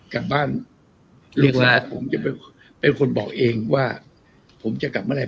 กลับบ้านผมการเป็นคนบอกเองว่าผมจะกลับมาไหน